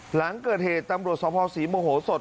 หลังเกิดเหตุตำรวจสภศรีโมโหสด